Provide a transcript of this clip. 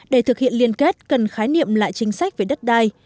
để thực hiện liên kết cần khái niệm lại chính sách về đất đai